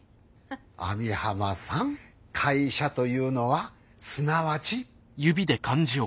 網浜さん会社というのはすなわち。